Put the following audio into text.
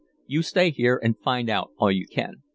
You stay here and find out all you can."